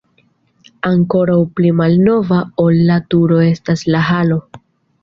Ankoraŭ pli malnova ol la turo estas la halo.